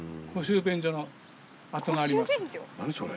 何それ。